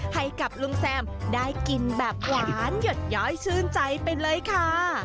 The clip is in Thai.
ให้กับลุงแซมได้กินแบบหวานหยดย้อยชื่นใจไปเลยค่ะ